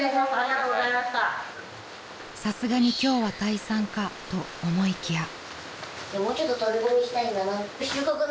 ［さすがに今日は退散かと思いきや］